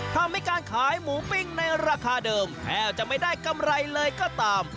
ทำให้การขายหมูปิ้งในราคาเดิมแทบจะไม่ได้กำไรเลยก็ตาม